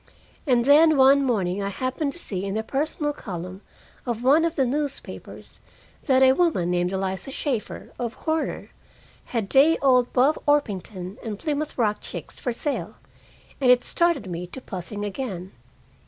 And then one morning I happened to see in the personal column of one of the newspapers that a woman named Eliza Shaeffer, of Horner, had day old Buff Orpington and Plymouth Rock chicks for sale, and it started me to puzzling again.